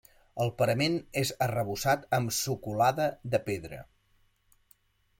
El parament és arrebossat amb socolada de pedra.